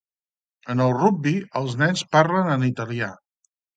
En el rugbi, els nens parlen en italià.